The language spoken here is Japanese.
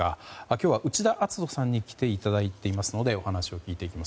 今日は内田篤人さんに来ていただいていますのでお話を聞いていきます